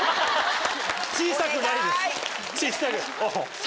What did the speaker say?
小さくないです。